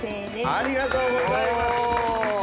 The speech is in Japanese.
ありがとうございます。